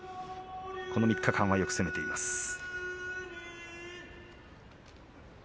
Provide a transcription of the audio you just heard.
この３日間はよく攻めています。